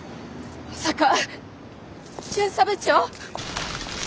まさか巡査部長。